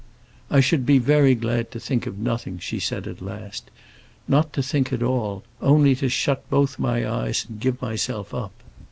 "I should be very glad to think of nothing," she said at last; "not to think at all; only to shut both my eyes and give myself up.